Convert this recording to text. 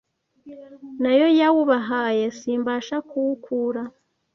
Na yo yawubahaye, simbasha kuwukura